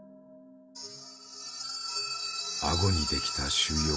顎にできた腫瘍。